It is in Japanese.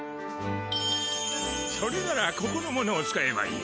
それならここのものを使えばいい。